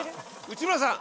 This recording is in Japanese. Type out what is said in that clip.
内村さん。